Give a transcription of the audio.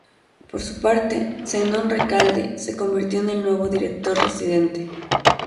Por su parte, Zenón Recalde se convirtió en el nuevo director residente.